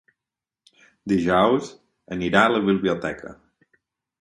Dijous anirà a la biblioteca.